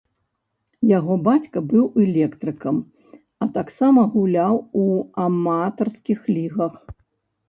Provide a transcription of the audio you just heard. Яго бацька быў электрыкам, а таксама гуляў у аматарскіх лігах.